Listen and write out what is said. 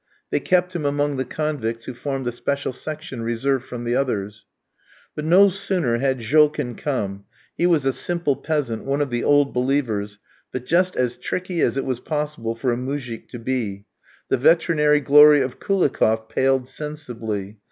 They kept him among the convicts who formed a special section reserved from the others. But no sooner had Jolkin come he was a simple peasant, one of the "old believers," but just as tricky as it was possible for a moujik to be the veterinary glory of Koulikoff paled sensibly.